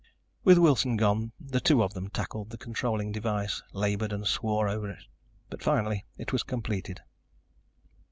With Wilson gone the two of them tackled the controlling device, labored and swore over it. But finally it was completed.